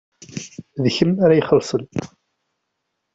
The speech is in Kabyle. D kemm ad ixellṣen.